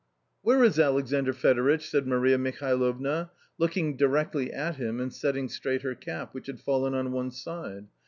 Where is Alexandr Fedoritch ?" said Maria Mihal ovna, looking directly at him and setting straight her cap, which had fallen on one side.